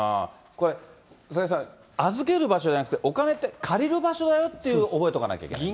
これ、菅井さん、預ける場所じゃなくて、お金って借りる場所だよって覚えとかなきゃいけない。